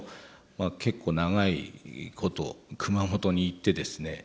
結構長いこと熊本に行ってですね